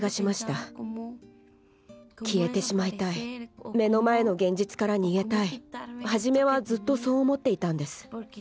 消えてしまいたい目の前の現実から逃げたい初めはずっとそう思っていたんです。